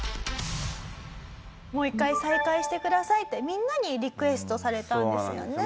もう一回再開してくださいってみんなにリクエストされたんですよね。